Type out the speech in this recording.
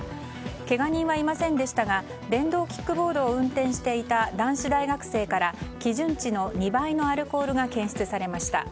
けが人はいませんでしたが電動キックボードを運転していた男子大学生から、基準値の２倍のアルコールが検出されました。